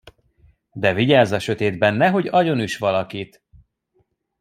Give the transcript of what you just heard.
De vigyázz a sötétben, nehogy agyonüss valakit!